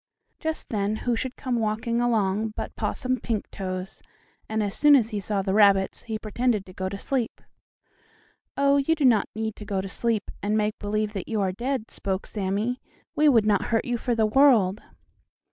Just then who should come walking along but Possum Pinktoes, and, as soon as he saw the rabbits, he pretended to go to sleep. "Oh, you do not need to go to sleep, and make believe that you are dead," spoke Sammie. "We would not hurt you for the world."